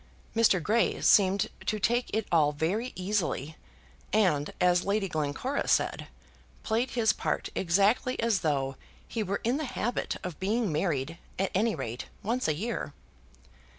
Mr. Grey seemed to take it all very easily, and, as Lady Glencora said, played his part exactly as though he were in the habit of being married, at any rate, once a year.